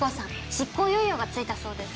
執行猶予がついたそうです。